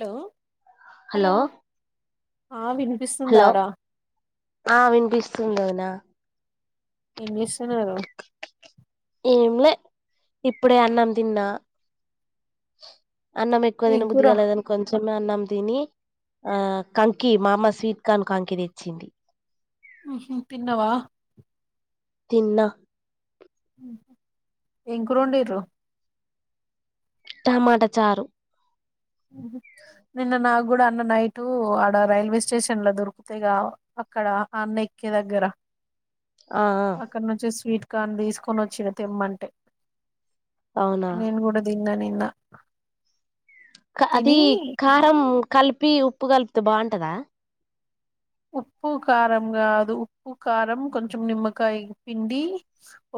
Hello! Hello, ఆ వినిపిస్తుందారా. స్తుంది వదినా ఏమ్ చేస్ ఏమ్ లే ఇప్పుడే అన్నం తిన్నా. అన్నం ఎక్కువ ఏం తినబుద్ధి కూర కాలేదని కొంచమే అన్నం తినీ ఆ కంకీ మా అమ్మ స్వీట్కాన్ కంకి తెచ్చింది. ఊహు తిన్నవా. తిన్నా ఊహు ఏమ్ కూరొండిర్రు టమాట చారు నిన్న నాక్ గూడా అన్న నైటూ ఆడ రైల్వే స్టేషన్ లో దొరుకుతయిగా, అక్కడా అన్న ఎక్కే దగ్గర ఆ ఆ అక్కడ్నుంచి స్వీట్ కాన్ తీసుకొని వచ్చిండు తేమ్మంటే అవునా నేను కూడా దిన్ నా నిన్న అది తిని కారం కల్ప్ పి ఉప్పు కలపుతే బాఉంటదా ఉప్పు కారం కాదు ఉప్పు కారం కొంచం నిమ్మకాయ పిండి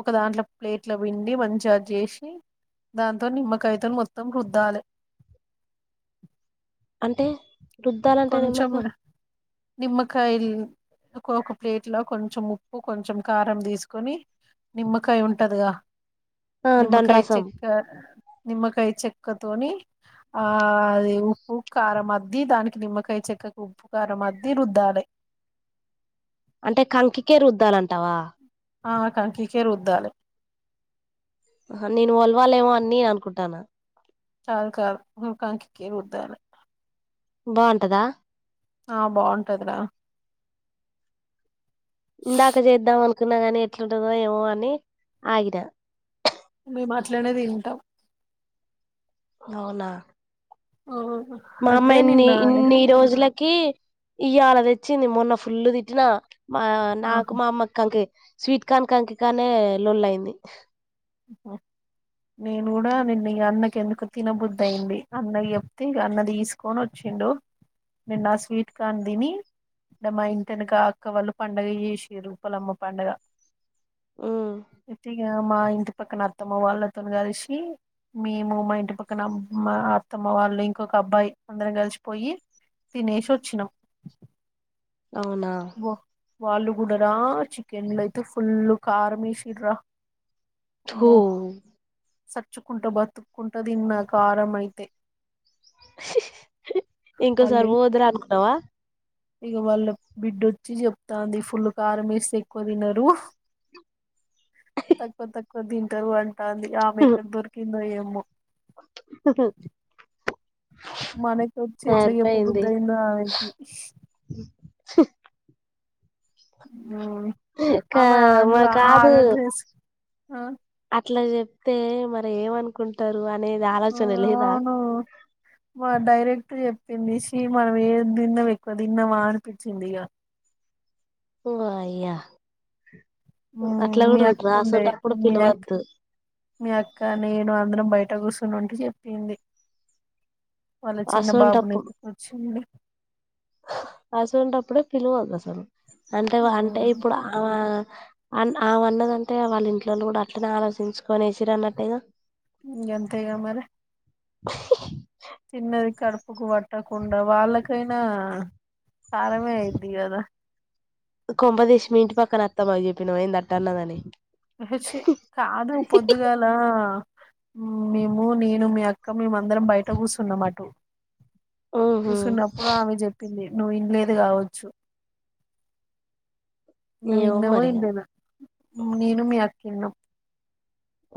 ఒక దాంట్లో ప్లేట్లో పిండి మంచిగా అది చేసి దాంతో నిమ్మకాయతో మొత్తం రుద్దాలి అంటే రుద్దలంటే నిమ్మకాయ్ నిమ్మకాయిల్ ఒక ఒక ప్లేట్లో కొంచం ఉప్పు కొంచం కారం తీసుకొని నిమ్మకాయ ఉంటదిగా ఆ దాని నిమ్మకాయ్ రసం చెక్కర్ నిమ్మకాయ చెక్కతోని ఆ ఆది ఉప్పు కారం అద్ది దానికి నిమ్మకై చెక్కకు ఉప్పు కారం అద్ది రుందాలే అంటే కంకిికే రుంద్దలంటావా ఆ కాంకికే రుద్దలి హా నేన్ వల్ వాలేమో అని అనుకుంటానా కాదు కాదు హు కంకి రుద్దలి బాఉంటదా ఆ బాఉంటది రా ఇందాక చెందామన్ కున గాని ఎట్లుంటందో ఏమో అని ఆగిన మేమ్ అట్లనే తింటాం అవునా ఆ మా అమ్మ అయితే ఎన్ని నిన్న ఇన్ని రోజులక్ కీర్ ఇయ్యాల తెచ్చింది మొన్న ఫుల్లు తిట్టిన మా నాకు మా అమ్మకు కంకు స్వీట్ కాన్ కంకి కానే లోల్ అయింది నేను కూడా నిన్న ఈ అన్నకి ఎందుకో తినబుద్ది అయింది అన్నయో తే ఇగ అన్న దిసుకొని వచ్చిండు నేను నా స్వీట్ కాన్ తిని మా ఇంటెనక అక్క వాళ్ళు పండగ చేసిరు ఉప్పలమ్మ పండుగ ఉమ్ గ మా ఇంట్ పక్కన అత్తమ్మ వాళ్ళతో కలిసి మేము మా ఇంటి పక్కన అమ్మా అత్తమ్మ వాళ్ళు ఇంకొక అబ్బాయి అందరం కలిసిపోయి తినేసి వచ్చినాం అవునా వాళ్ళు కూడాడరా చికెన్ లయితే ఫుల్ కారం యేసిర్ రా తో సచ్చుకుంటా బతుకుంటా దీన్న కారమ్ అయితే హి హీ ఇంకోొసారి పోవద్దు ర అనుకున్నాావా ఇక వాళ్ళ బిడ్డొచ్చి చెప్తాంది ఫుల్ కారం వేస్త ఎక్కువ తినరు తక్కువ తక్కు కొద్దింటరు అంట ఆమె ఎక్కడ దొరికిందో ఏమో అవు అ మనక వచ్చి ఎట్లా చెప్ప బుద్ధ అయిందో ఆమెకి ఆ అమె మా అనలా ఆ కాదు డ్రెస్ ఆ అట్లా చెప్తే మరి ఏమనుకుంటారు అ అది ఆ, ఆలోచన లేదా ఇ చెప్పింది ష మనం ఏ తిన్నము ఎక్కువ తిన్నావా అనిపించింది ఇగా వయ్య మీ అక్క ఉండే అసోంటప్పుడు మీ అక్క పిలవద్దు మీ అక్క నేను అందరం బయట అట్ట కూర్సునింటూ చెప్పింది వాళ్ళ చిన్న బాబు న ఎతుకిొచ్చింది అసొన్టప్పుడు పిలవద్దు అసలు అంటే అంటే ఉమ్, ఇప్పుడు ఆ అ ఆ వన్నదంటే వాళ్ళ ఇంట్లో కూడా అట్నే ఆలోచించుకొని వసిర అన్నట్టేగా ఈ గంతెగా మరి తిన్నది కడు ఉప్పుకు పట్టకుండా వాళ్ళకైనా కారమే అయిద్ది కదా కొంపదీసి మి ఇంటి పక్కన అత్తామ చెప్పినా్ ఏం తట్ట అన్నదని ష కాదు పొద్దుగాల మేము నేను మీ అక్క మేమందరం బయట కుసున్నం అటు ఊహు కూసున్నప్పుడు ఆమె చెప్పింది నువ్ ఇంలేదు కావచ్చు ను ఏమో ఇన్నవ మరిగా ఇంలేదో నేను మీ కవును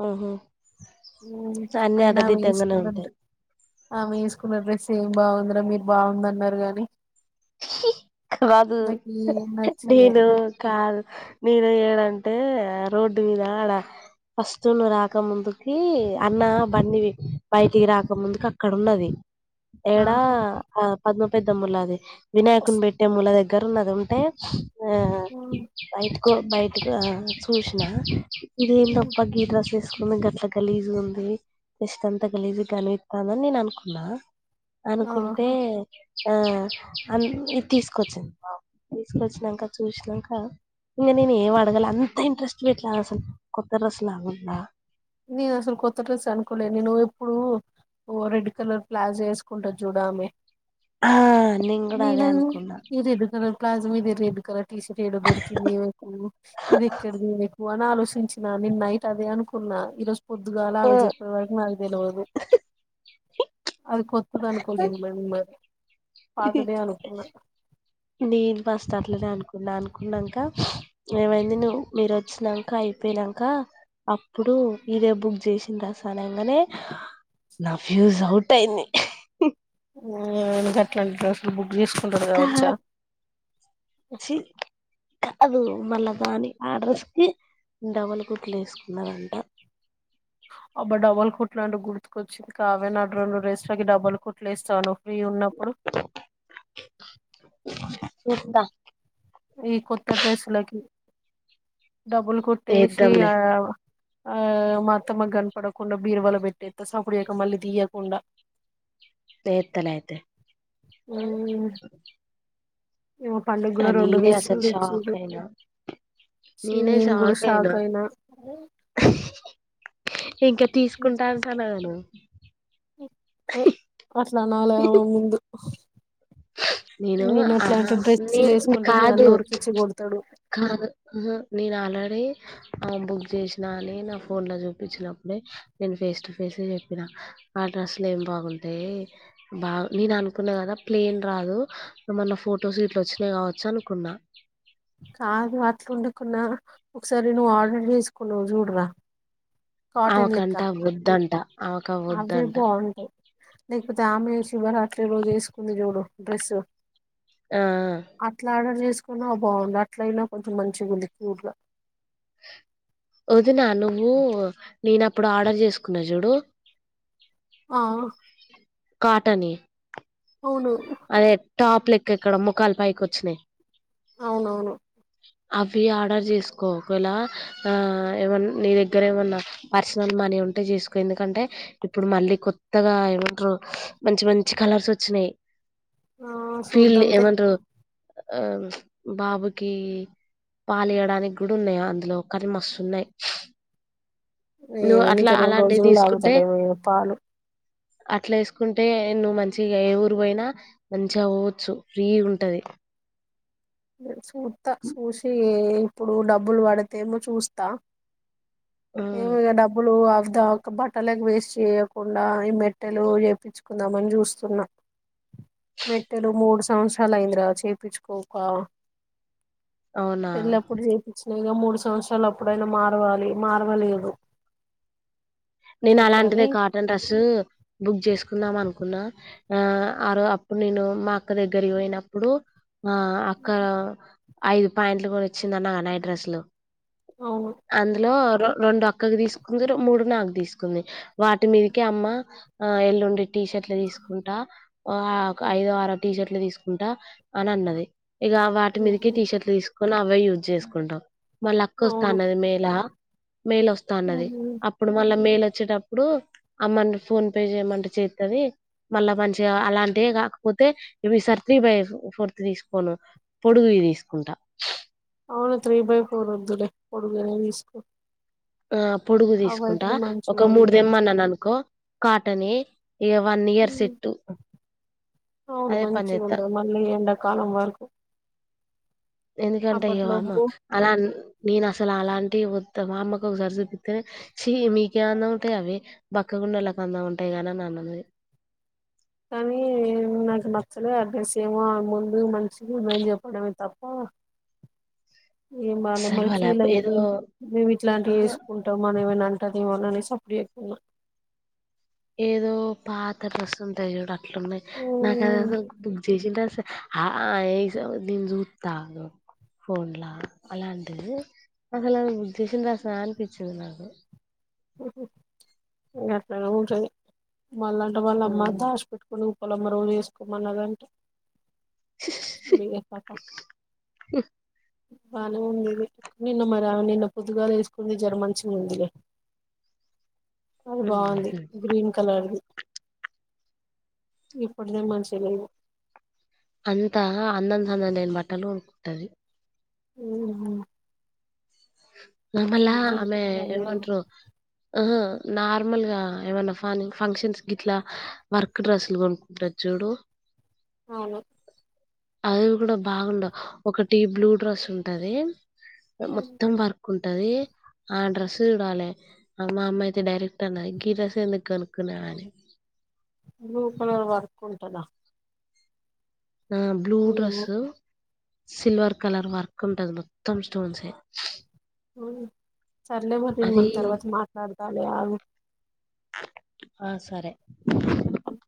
ఉహు అయిన ఆమె వేసుకున్నారు ఉంటాయి ఆమె వేసుకున్న డ్రెస్ ఏేం బాగుందిరా మీరు బాగుంది అన్నారు గాని రాదు నాకు ఏం నచ్చలే నేను కాల్ నేను ఏడంటే రోడ్డు మీద అడ ఫస్తువులు రాక ముందుకి అన్న బండి బయటికి రాక ముందుకి అక్కడ ఉన్నది ఎడా ఆహా ఆ పద్మ పెద్దమ్ముల్లాది వినాయకుని పెట్టే మూల దగ్గరన్నది ఉంటే ఆ కో బయటకు చూసిన ఇదేంది అప్ప గి డ్రెస్ వేసుకు ఏమేంది గట్ల గలీజ్ గా ఉంది చెస్ట్ అంతా గలీజు కనిపిస్తుంది నేను అనుకున్నా అనుకుంటే ఆహా ఆ అ ఈ తీసుకొచ్చింది తీసుకొచ్చిన్నాక చూసినంక ఇంకా నేను ఏం అడగాలి అంత ఇంట్రెస్ట్ పెట్లా అసలు కొత్త డ్రెస్ లాగా ఉందా నేను అసలు కొత్త డ్రెస్ అనుకోలే నేను ఎప్పుడు ఓ రెడ్ కలర్ ప్లాజో వేసుకుంటది చూడు ఆమె ఆ నేను కూడా అదే అనుకున్నా ఈ రెడ్ కలర్ ప్లాజో మీద రెడ్ కలర్ టీషర్ట్ ఏడ దొరికింది కు ఈమె ఇది ఎక్కడది ఇమకు అని ఆలోచించిన నేను నైట్ అదే అనుకున్నా ఇ రోజు పోద్దుగాలు అవి చెప్పే వరకు నాకు తెలవదు అది కొ కొత్తది అనుకోలేదు మమ్ పాతదే అనుకున్న నేను ఫస్ట్ అట్లేనే అనుకున్నా అనుకున్నాక ఏమైంది నువ్వు మీరు వచ్చాక అయిపోయినాక అప్పుడు ఇదే బుక్ చేసింది డ్రెస్ అనంగానే నా ఫీజు అవుట్ అయింది గట్లా అంటి డ్రెస్లు బుకు తీసుకుంటారు కావచ్చా కాచి కాదు మళ్ళా దాని ఆ డ్రస్ కి డబల్ కుట్లు వేసుకున్నదంట అబ్బా డబల్ కుట్లు అంటే గుర్తుకొచ్చి కావ్య నా రెండు డ్రెస్సులకి డబల్ కుట్లు వేస్తాను ఫ్రీ ఉన్నప్పుడు సుతా ఈ కొత్త డ్రెస్సులకి డబ్బులు కొట్టేసి వేద్దాంలే ఆ ఆ మా అత్తమ్మ కు కనపడకుండా బీరువల పెట్టేస్త సప్పుడుజెక మళ్ళీ తీయకుండా ఎత్తలే అయితే అ ఏమో పండు గూడ రెండు డ్రెస్సులు షాక్ తెచ్చిరు అయినా చి నీను కూడా షాక్ అయినా ఇంకా తీసుకుంటా అంటానువుగా నువ్వు అట్లా అనాలేమో [inaudible] నేను ఆహా అట్లాంటి డ్రెస్సులు నేను వేసుకుంటే మీ కాదు అన్న ఉరికిచ్చి కొడతాడు కాదు ఆహా నేను అల్ రాడి రి ఆమె బుక్ చేసినా అని నా ఫోన్లో చూపించినప్పుడే నేను ఫేస్ టు ఫేస్ చెప్పినా ఆ అడ్రస్లు ఏం బాగుంటాయి బా నేను అనుకున్నా కదా ప్లేన్ రాదు ఏమన్న ఫొటోస్ గిట్ల వచ్చినాయి కావచ్చు అనుకున్నా కాదు అట్లా ఉడుకున్నా ఒకసారి నువ్వు ఆర్డర్ చేసుకున్నావు్ చూడరా కాటన్ లెక్క అవకంట వద్దంట అవక అవే వదుంట బాగుంటాయి లేకపోతే ఆమె శివరాత్రి రోజు వేసుకుంది చూడు డ్రెస్సు ఆ అట్లా ఆర్డర్ చేసుకో న్నా బాగుంది అట్లయినా కొంచెం మంచిగా ఉంది క్యూట్ గా ఒదిన నువ్వు నేన అప్పుడు ఆర్డర్ చేసుకున్న చూడు ఆ కాటన్యి అవును అదే టాప్ లెక్క ఇక్కడ ముఖాలు పైకి వచ్చినాయి్ అవునవును అవి ఆర్డర్ చేసుకో ఒకవేలా ఆ ఏమన్నా నీ దగ్గర ఏమన్నా పర్సనల్ మనీ ఉంటే చేసుకో ఎందుకంటే ఇప్పుడు మళ్ళీ కొత్తగా ఏమంటారు మంచి మంచి కలర్స్ వచ్చినాయి ఆ ఫిల్డ్ చూద్దాం ఎం తి అంటారు అ బాబుకి బాబు కి పాలు ఇయ్యడానికి కూడా ఉన్నాయ్ అందులో కానీ మస్తువున్నాయి ఏ అనికి రెండు రోజులులో తీసుకుంటే తగుతాడేమో ఇగ పాలు అట్లా వేసుకుంటే నువ్వు మంచిగా ఏ ఊరు పోయినా మంచిగా పోవచ్చు ఫ్రీ ఉంటది అ కూూత సూషయే ఇప్పుడు డబ్బులు పడితేమో చూస్తా ఉమ్, ఏమి డబ్బులు దాకా బట్టలకి వేస్ట్ చేయకుండా ఈ మెట్టెలు చేయించుకుందామని చూస్తున్నా మెట్టెలు మూడు సంవత్సరాలు అయింది రా చేయించుకోక అవునా ఎళ్లప్పుడు ఇగా మూడు సంవత్సరాలు అప్పుడైనా మారవాలి మాార్వలేదు నేను అలాంటిదే కాటన్ డ్రెస్ బుక్ చేసుకు కున్నాం అనుకున్నా ఆ ఆ అప్పుడు నేను మా అక్క దగ్గర పోయినప్పుడు ఆ అక్కడ ఐదు పా్యాంట్లు కూడా వచ్చింది అన్నగా నైట్ డ్రెస్సులు అవును అందులో రెండు అక్కకి తీసుకుందరు మూడు నాకు తీసుకు తీకుంది వాటి మీదకే అమ్మ ఆ ఎల్లుండి టీషర్ట్లు తీసుకుంటా ఆ ఐదో ఆరో టీ షర్ట్లు తీసుకుంటా అని అన్నది ఇక వాటి మీదకి టీషర్ట్లు తీసుకొని ఆగ్ అవ యూజ్ చేసుకుంటాం వాళ్ళ అక్క వస్తా అవును అన్నది మేళ మేళ వస్తా అన్నది అప్పుడు మళ్ళ మేళ వచ్చేటప్పుడు అమ్మను ఫోన్ పే చేయమంటే చెత్తది మళ్ళా మంచిగా అలాంటియే కాకపోతే ఇవి ఈసారి త్రీ బై ఫోర్త్ తీసుకోను పొడుగు తీసుకుంటా అవును త్రీ బై ఫోర్ వదులే పొడుగనే తీసుకో ఆ పొడుగు తీసుకుంటా అవైతేనే మంచిగా ఒక మూడు తెమ్మని అనుకో కాటనే ఇగ వన్ ఇయర్స్ ఉంటాయి సెట్టు అవును మంచిగా ఉంద మళ్ళీ ఎండకు కాలం వరకు ఎందుకంటే ఇయ్యవా అమ్మ అప్పట్లోపు అలా నేను అసలు అలాంటి వద్దు మా అమ్మకు ఒకసారి చూపితేేనే చి మీకే అందం ఉంటాయి అవి బక్కగానోళ్లకు అందం ఉంటాయి గాని అన్నవి కానీ నాకు నచ్చలే ఆ డ్రెస్ ఏమో ఆ ముందు మంచి మేం చెప్పడమే తప్ప ఏం బాలమ్మ అసలు వాళ్ళ ఫీల్ అయిది ఏదో మేము ఇట్లాంటివి ఆ వేసుకుంటాం మన ఏమైనా అంటారు అ ఉన్నానే సప్పుడు చేయకున్నా ఏదో పాత రసం ఉంటే చూడ అట్లున్నాయి నాకు అది అసలు చేసింటే అస ఆ ఈ సంగతి నేను సూత్తాగు ఫోన్లా అలాంటిది అసలు సెషన్ బసదా అనిపించింది నాకు గాట్లానే ఉంటది మల్ల అంట వాళ్ళ అమ్మ ఉమ్. దాసి పెట్టుకోను వాళ్ళ అమ్మ రోజు ఏసుకోమన్నదంట చుడీదార్ పాపా బానే ఉంది ఇది నిన్న మరి ఆమె నిన్న పొద్దుగాల వేసుకున్నది జర మంచిగా ఉంది లే అది బాగుంది ఉహు. గ్రీన్ కలర్ ది ఇప్పుటిదే మంచిగా ఉంది అంతా అందం సందం లేని బట్టలు కొనుకుంటాది హమ్ మల్ల ఆమె మేము ఏమంటరు ఆహ నార్మల్ గా ఏమన్నా ఫన్ ఫంక్షన్స్ గీట్లా వర్క్ డ్రస్సులు కొనుకుంటారు చూడు అవును అవి కూడా బాగుండవు ఒకటి బ్లూ డ్రెస్ ఉంటది హమ్ మొత్తం వర్క్ ఉంటది ఆ డ్రెస్ చూడాలి ఆ మా అమ్మ అయితే డైరెక్ట్ అన్నది గీ డ్రెస్ ఎందుకు కొనుక్కున్నవని బ్లూ కలర్ వర్క్ ఉంటదా ఆ బ్లూ ఏమో డ్రెస్ సిల్వర్ కలర్ వర్క్ ఉంటది మొత్తం స్టోన్స్ అవును సర్లే మరి నేను మనం తర్వాత మాట్లాడు ఉంటాలే ఆగు ఆ సరే హమ్